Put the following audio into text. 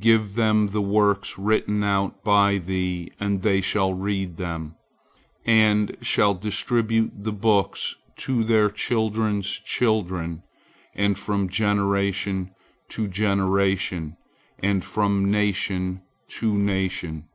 Give them the works written out by thee, and they shall read them, and shall distribute the books to their children's children and from generation to generation and from nation to nation.